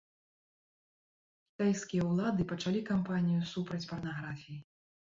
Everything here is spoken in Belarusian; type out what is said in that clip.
Кітайскія ўлады пачалі кампанію супраць парнаграфіі.